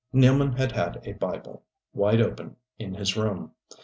Nealman had had a Bible, wide open, in his room.